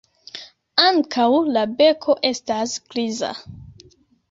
Ankaŭ la beko estas griza.